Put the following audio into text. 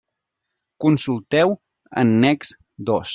Consulteu Annex dos.